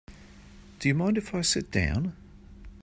Do you mind if I sit down?